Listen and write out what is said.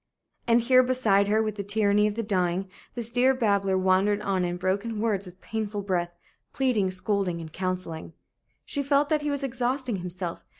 And here beside her, with the tyranny of the dying, this dear babbler wandered on in broken words, with painful breath, pleading, scolding, counselling. She felt that he was exhausting himself.